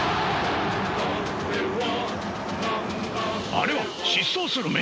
あれは疾走する眼！